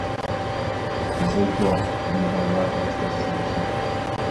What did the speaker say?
The "Zuytdorp" never arrived at its destination.